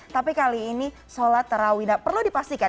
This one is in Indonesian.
tapi kali ini sholat taraweeh tidak perlu dipastikan